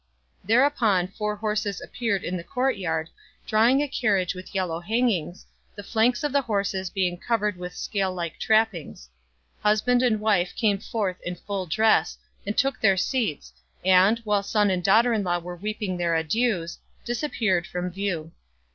Thereupon four horses appeared in the court yard, drawing a carriage with yellow hangings, the flanks of the horses being covered with scale like trappings. Husband and wife came forth in full dress, and took their seats, and, while son and daughter in law were weeping their adieus, disappeared from view.